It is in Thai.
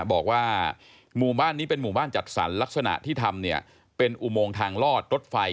บอกว่าหมู่บ้านนี้เป็นหมู่บ้านจัดสรรลักษณะที่ทำเนี่ยเป็นอุโมงทางลอดรถไฟ